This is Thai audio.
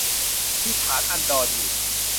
มีฐานอันดรอยู่